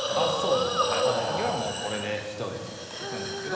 そうですねそのときはもうこれでいくんですけど。